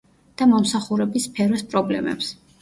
და მომსახურების სფეროს პრობლემებს.